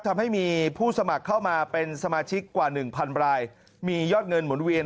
ทำให้มีผู้สมัครเข้ามาเป็นสมาชิกกว่า๑๐๐๐บราย